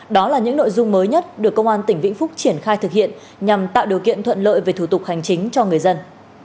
đó là những nội dung mới nhất được công an tỉnh vĩnh phúc triển khai thực hiện nhằm tạo điều kiện thuận lợi về thủ tục hành chính cho người dân